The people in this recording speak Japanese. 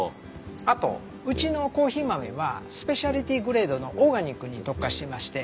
あとうちのコーヒー豆はスペシャルティグレードのオーガニックに特化してまして。